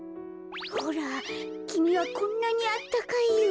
ほらきみはこんなにあったかいよ。